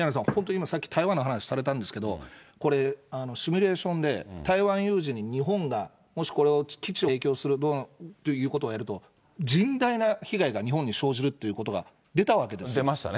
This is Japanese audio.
今、さっき台湾の話されたんですけど、これ、シミュレーションで台湾有事に日本がもし、基地を提供するということになると、甚大な被害が日本に生じるっ出ましたね、データね。